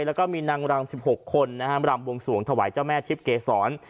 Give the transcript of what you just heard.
แล้วก็มีนางรำ๑๖คนรำวงสวงถวายเจ้าแม่ทิพย์เกษร